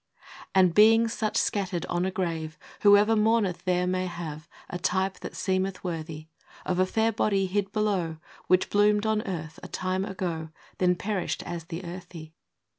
And such being scattered on a grave, Whoever mourneth there may have A type that seemeth worthy Of a fair body hid below, Which bloomed on earth a time ago, Then perished as the earthy.